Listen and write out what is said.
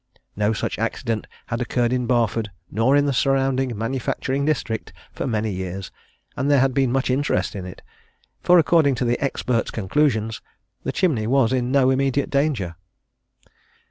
No such accident had occurred in Barford, nor in the surrounding manufacturing district, for many years, and there had been much interest in it, for according to the expert's conclusions the chimney was in no immediate danger.